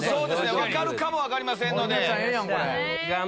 分かるかも分かりませんので。